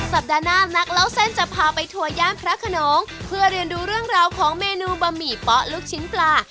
สัปดาห์หน้านักเล่าเส้นจะพาไปทัวร์ย่านพระขนงเพื่อเรียนรู้เรื่องราวของเมนูบะหมี่เป๊ะลูกชิ้นปลา